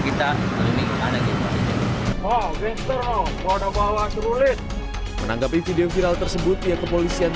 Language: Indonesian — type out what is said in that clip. kita kalau ini ada gitu oh bener loh kode bawah terulit menanggapi video viral tersebut ya kepolisian